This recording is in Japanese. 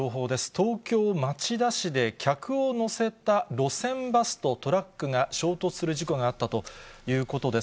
東京・町田市で、客を乗せた路線バスとトラックが衝突する事故があったということです。